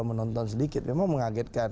menonton sedikit memang mengagetkan